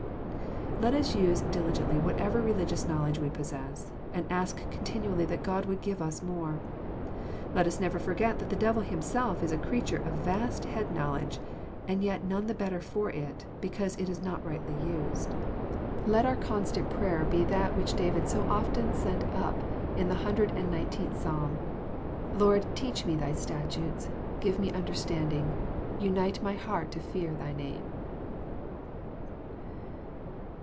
Let us use diligently whatever religious knowledge we possess, and ask continually that God would give us more. Let us never forget that the devil himself is a creature of vast head knowledge, and yet none the better for it, because it is not rightly used. Let our constant JOHN, CHAP. IX. 163 prayer be that which David so often sent np in the hundred and nineteenth Psalm. *' Lord, teach me thy statutes : give me understanding: unite my heart to fear Thy name.'